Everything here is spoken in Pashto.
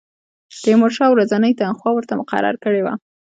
تیمورشاه ورځنۍ تنخوا ورته مقرره کړې وه.